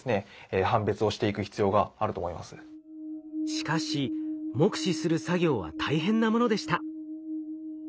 しかし目視する作業は大変なものでした。